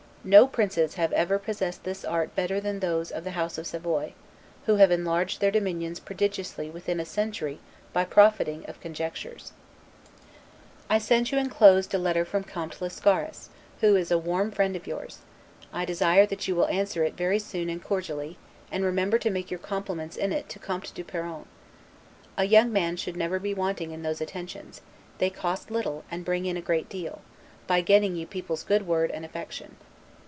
No princes have ever possessed this art better than those of the House of Savoy; who have enlarged their dominions prodigiously within a century by profiting of conjunctures. I send you here inclosed a letter from Comte Lascaris, who is a warm friend of yours: I desire that you will answer it very soon and cordially, and remember to make your compliments in it to Comte du Perron. A young man should never be wanting in those attentions; they cost little and bring in a great deal, by getting you people's good word and affection.